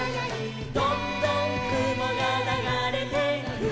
「どんどんくもがながれてく」「」